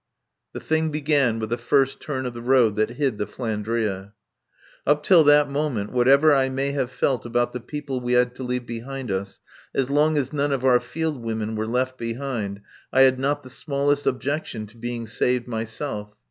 The thing began with the first turn of the road that hid the "Flandria." Up till that moment, whatever I may have felt about the people we had to leave behind us, as long as none of our field women were left behind, I had not the smallest objection to being saved myself.